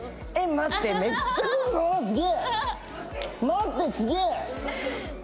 待ってすげえ！